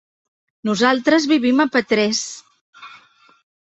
Nosaltres vivim a Petrés.